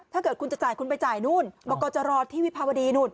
ถ้าเกิดคุณจะจ่ายคุณไปจ่ายนู่นบอกก็จะรอที่วิภาวดีนู่น